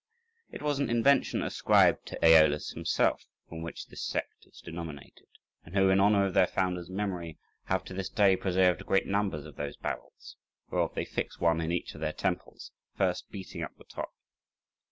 It was an invention ascribed to Æolus himself, from whom this sect is denominated, and who, in honour of their founder's memory, have to this day preserved great numbers of those barrels, whereof they fix one in each of their temples, first beating out the top.